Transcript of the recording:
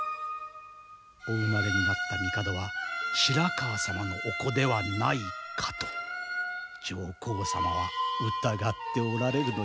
お生まれになった帝は白河様のお子ではないかと上皇様は疑っておられるのじゃ。